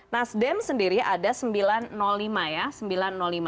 nasdem sendiri ada sembilan ratus lima ya